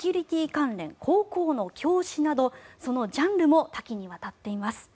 関連高校の教師などそのジャンルも多岐にわたっています。